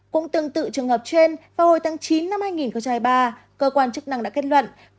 cũng tương tự trường hợp trên vào hồi tháng chín năm hai nghìn hai mươi ba cơ quan chức năng đã kết luận